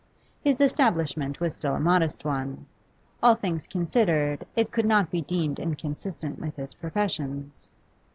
His establishment was still a modest one; all things considered, it could not be deemed inconsistent with his professions.